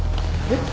えっ？